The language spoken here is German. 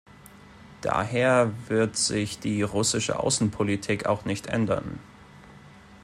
Daher wird sich die russische Außenpolitik auch nicht ändern.